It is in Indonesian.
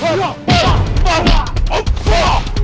oh apa itu